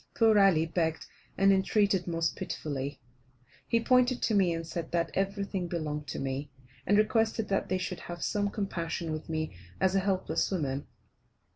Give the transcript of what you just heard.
Poor Ali begged and entreated most pitifully. He pointed to me, and said that everything belonged to me, and requested that they should have some compassion with me as a helpless woman.